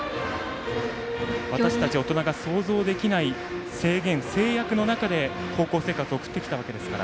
私たち大人が想像できない制限・制約の中で高校生活を送ってきたわけです。